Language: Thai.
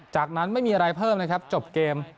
จากนั้นไม่มีอะไรเพิ่มนะครับจบเกม